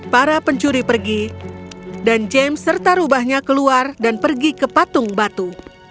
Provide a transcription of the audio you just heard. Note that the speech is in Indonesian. para pencuri pergi dan james serta rubahnya keluar dan pergi ke patung batu